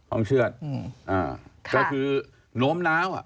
ห้องเชื่อดก็คือโน้มน้าว